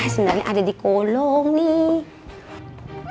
sebenarnya ada di kolong nih